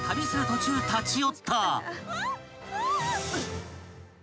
途中立ち寄った］